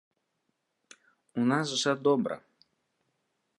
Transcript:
У нас жа добра.